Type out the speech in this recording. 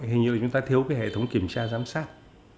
hình như chúng ta thiếu cái hệ thống kiểm tra giám sát